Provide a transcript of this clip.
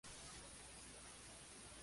Al igual que con "Sandinista!